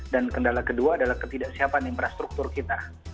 dan kendala kedua adalah ketidaksiapan infrastruktur kita